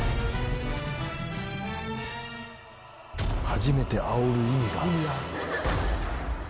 初めてあおる意味があった。